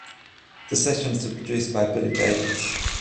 The sessions were produced by Billy Davis.